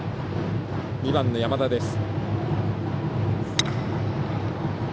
２番の山田です。